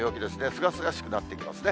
すがすがしくなってきますね。